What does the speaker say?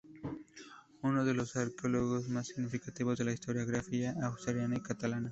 Uno de los arqueólogos más significativos de la historiografía asturiana y catalana.